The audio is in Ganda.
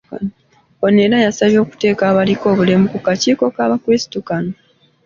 Ono era yasabye okuteeka abaliko obulemu ku kakiiko k'abakrisitu kano.